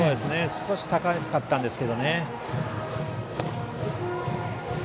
少し高かったんですが。